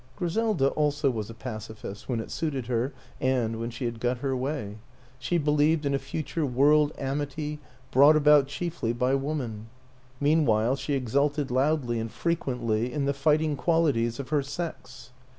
Griselda also was a pacifist when it suited her and when she had got her way. She believed in a future World Amity, brought about chiefly by Woman; meanwhile, she exulted loudly and 26 WILLIAM AN ENGLISHMAN frequently in the fighting qualities of her sex.